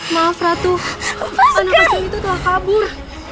maaf ratu anak kecil itu telah kabur